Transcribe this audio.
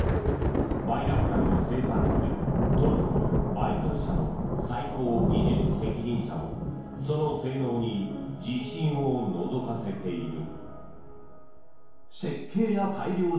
バイラクタルを生産するトルコのバイカル社の最高技術責任者もその性能に自信をのぞかせている。